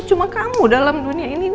cuma kamu dalam dunia ini